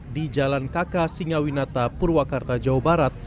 di jalan kk singawinata purwakarta jawa barat